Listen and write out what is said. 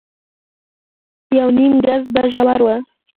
يونيم ګز به ژور و.